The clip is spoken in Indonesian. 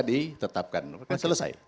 ditetapkan oke selesai